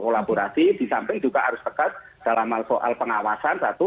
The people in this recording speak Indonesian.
kolaborasi di samping juga harus tegas dalam hal soal pengawasan satu